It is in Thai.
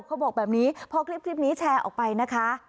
เขาบอกแบบนี้พอคลิปนี้แชร์ออกไปนะคะ